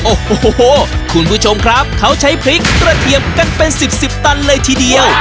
โอ้โหคุณผู้ชมครับเขาใช้พริกกระเทียมกันเป็นสิบสิบตันเลยทีเดียว